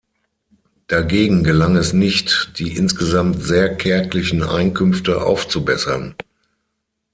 Dagegen gelang es nicht, die insgesamt sehr kärglichen Einkünfte aufzubessern.